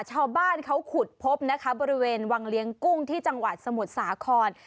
ชาวบ้านเขาขุดพบนะคะบริเวณวังเลี้ยงกุ้งที่จังหวัดสมุทรสาคร